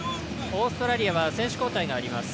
オーストラリアは選手交代があります。